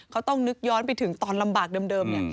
เขาต้องนึกย้อนไปถึงตอนลำบากเดิมเนี่ย